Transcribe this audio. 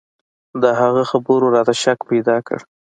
د هغه خبرو راته شک پيدا کړ.